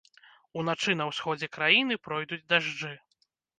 Уначы на ўсходзе краіны пройдуць дажджы.